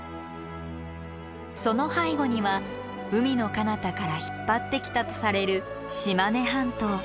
その背後には海のかなたから引っ張ってきたとされる島根半島。